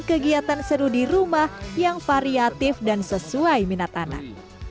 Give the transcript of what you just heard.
kegiatan seru di rumah yang variatif dan sesuai minat anak